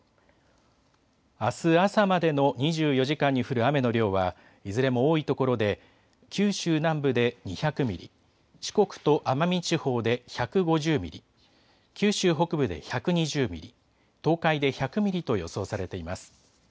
あす朝までの２４時間に降る雨の量はいずれも多いところで九州南部で２００ミリ、四国と奄美地方で１５０ミリ、九州北部で１２０ミリ、東海で１００ミリと予想されています。